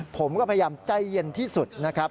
ผมก็พยายามใจเย็นที่สุดนะครับ